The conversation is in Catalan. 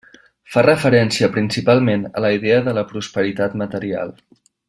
Fa referència principalment a la idea de la prosperitat material.